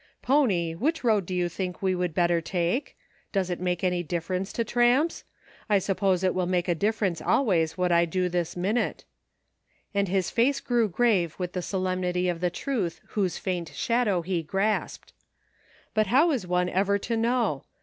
" Pony, which road do you think we would better take } Does it make any difference to tramps ? I suppose it will make a difference always what I do this minute," and his face grew grave with the solemnity of the truth whose faint shadow he grasped. " But how is one ever to know